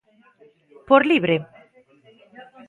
Por libre?